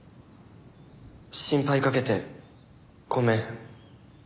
心配かけてごめん。